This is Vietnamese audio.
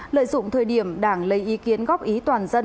lợi dụng thời điểm đảng lấy ý kiến góp ý toàn dân